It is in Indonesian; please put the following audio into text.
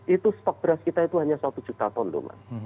itu stok beras kita itu hanya satu juta ton loh mas